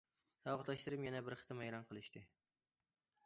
ساۋاقداشلىرىم يەنە بىر قېتىم ھەيران قېلىشتى.